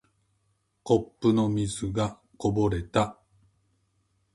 コップの水がこぼれた。